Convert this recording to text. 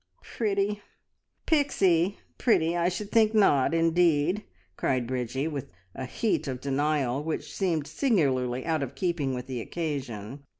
"Pretty Pixie pretty! I should think not, indeed!" cried Bridgie, with a heat of denial which seemed singularly out of keeping with the occasion.